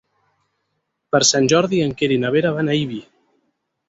Per Sant Jordi en Quer i na Vera van a Ibi.